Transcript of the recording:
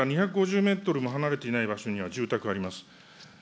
弾薬庫から２５０メートルも離れていない場所には住宅があります。